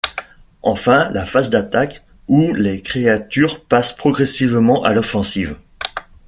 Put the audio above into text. Enfin, la phase d'attaque où les créatures passent progressivement à l'offensive.